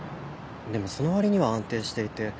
でもそのわりには安定していて。